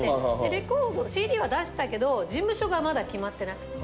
レコードＣＤは出したけど事務所がまだ決まってなくて。